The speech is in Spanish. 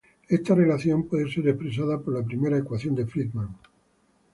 Esta relación puede ser expresada por la primera ecuación de Friedmann.